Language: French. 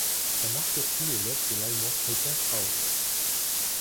Sa marqueterie est l'œuvre de l'Allemand Chrétien Krause.